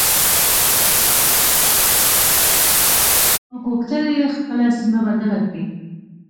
غوښتل يې خپله سيمه بدله کړي.